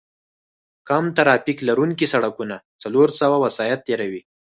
کم ترافیک لرونکي سړکونه څلور سوه وسایط تېروي